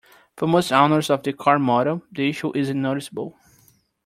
For most owners of the car model, the issue isn't noticeable.